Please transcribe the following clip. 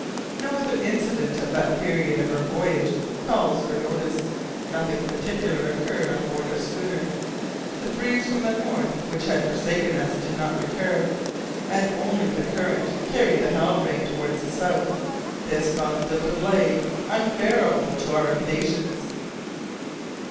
No other incident at that period of our voyage calls for notice. Nothing particular occurred on board our schooner. The breeze from the north, which had forsaken us, did not recur, and only the current carried the Halbrane towards the south. This caused a delay unbearable to our impatience.